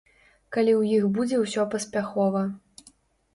Калі ў іх будзе ўсё паспяхова.